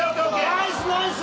ナイスナイス！